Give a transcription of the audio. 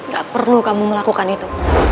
gak perlu kamu melakukan itu